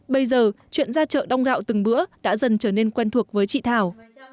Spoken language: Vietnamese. bây giờ chuyện ra chợ đong gạo từng bữa đã dần trở nên quen thuộc với chị thảo